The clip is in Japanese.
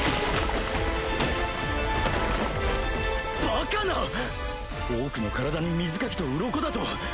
バカな⁉オークの体に水かきとうろこだと？